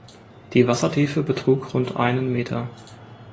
Die Wassertiefe betrug rund einen Meter.